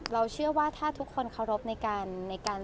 เชื่อว่าถ้าทุกคนเคารพในการ